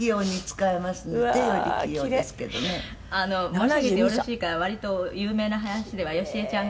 「申し上げてよろしいか割と有名な話では好重ちゃんがね